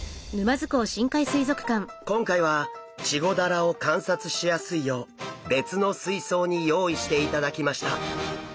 今回はチゴダラを観察しやすいよう別の水槽に用意していただきました。